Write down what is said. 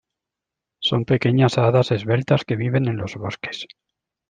Son pequeñas hadas esbeltas, que viven en los bosques.